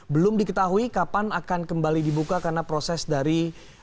belum diketahui kapan akan kembali dibuka karena proses dari